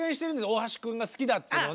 大橋くんが好きだっていうのをね。